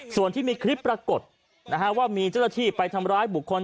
ส่วนที่มีคลิปปรากฏว่ามีเจ้าหน้าที่ไปทำร้ายบุคคล